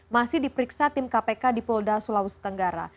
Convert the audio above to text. masih diperiksa tim kpk di polda sulawesi tenggara